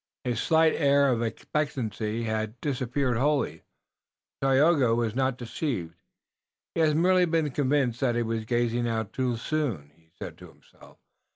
His slight air of expectancy had disappeared wholly, but Tayoga was not deceived. "He has merely been convinced that he was gazing out too soon," he said to himself.